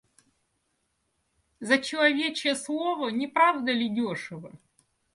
За человечье слово — не правда ли, дешево?